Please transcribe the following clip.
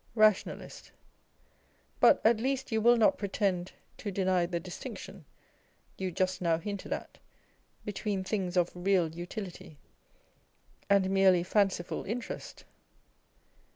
nationalist. But at least you will not pretend to deny the distinction (you just now hinted at) between things of real Utility and merely fanciful interest